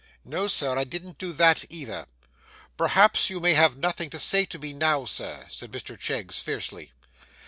'No, sir, I didn't do that, either.' 'Perhaps you may have nothing to say to me now, sir,' said Mr Cheggs fiercely.